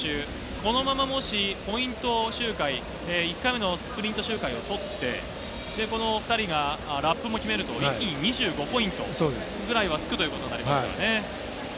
このままもしポイント周回、１回目のスプリント周回を取って、この２人がラップも決めると一気に２５ポイントぐらいはつくということになります。